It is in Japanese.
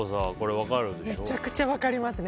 めちゃくちゃ分かりますね。